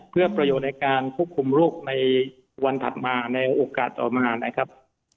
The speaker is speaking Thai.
เพื่อประโยชน์ในการควบคุมโรคในวันถัดมาในโอกาสต่อมานะครับ